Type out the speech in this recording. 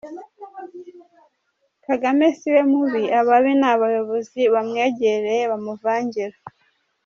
Kagame si we mubi ababi n’abayobozi bamwegereye bamuvangira